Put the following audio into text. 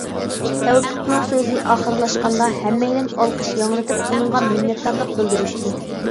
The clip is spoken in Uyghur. تەۋپىقنىڭ سۆزى ئاخىرلاشقاندا ھەممەيلەن ئالقىش ياڭرىتىپ ئۇنىڭغا مىننەتدارلىق بىلدۈرۈشتى.